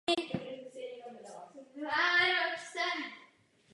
Leží na katastru obce Bystré.